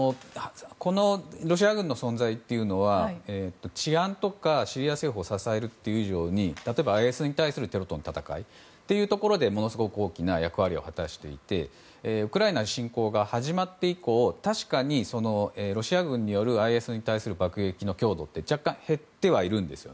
このロシア軍の存在は治安とかシリア政府を支えること以上に例えばＩＳに対するテロとの戦いというところでものすごく大きな役割を果たしていてウクライナ侵攻が始まって以降確かに、ロシア軍によるＩＳに対する爆撃の強度って若干、減ってはいるんですよ。